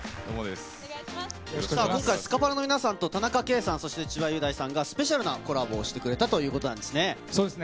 さあ、今回、スカパラの皆さんと田中圭さん、そして千葉雄大さんが、スペシャルなコラボをしてくれたというこそうですね。